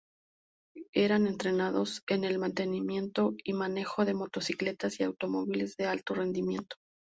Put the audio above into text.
Eran entrenados en el mantenimiento y manejo de motocicletas y automóviles de alto rendimiento.